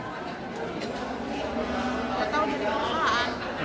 gak tahu udah diolahan